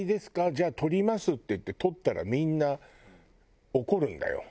じゃあ取ります」って言って取ったらみんな怒るんだよ